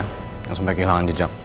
jangan sampai kehilangan jejak